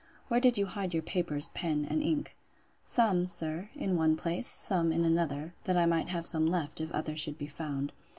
Where did you hide your paper, pens, and ink? Some, sir, in one place, some in another; that I might have some left, if others should be found.